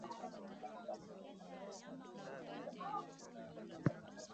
Iyi mashiku tuku na kuria baka bintu bia mu mashamba yetu